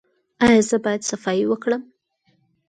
ایا زه باید صفايي وکړم؟